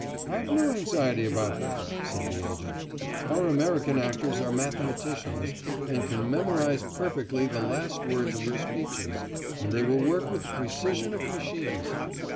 "Have no anxiety about that," said the agent. "Our American actors are mathematicians, and can memorise perfectly the last words of your speeches, and they will work with the precision of machines."